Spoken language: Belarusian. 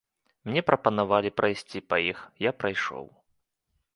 Мне прапанавалі прайсці па іх, я прайшоў.